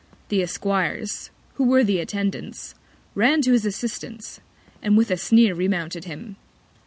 The Esquires, who were the Attendants, ran to his Assistance, and with a Sneer remounted him.